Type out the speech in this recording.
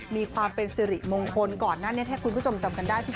มีความเป็นสิริมงคลก่อนหน้านี้ถ้าคุณผู้ชมจำกันได้พี่